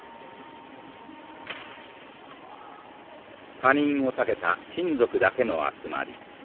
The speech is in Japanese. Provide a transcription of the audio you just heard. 他人を避けた親族だけの集まり。